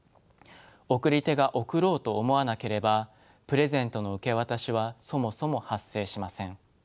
送り手が贈ろうと思わなければプレゼントの受け渡しはそもそも発生しません。